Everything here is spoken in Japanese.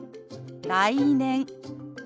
「来年」。